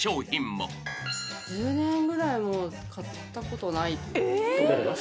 １０年ぐらい買ったことない。